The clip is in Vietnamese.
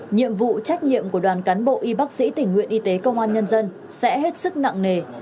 nhiệm vụ trách nhiệm của đoàn cán bộ y bác sĩ tình nguyện y tế công an nhân dân sẽ hết sức nặng nề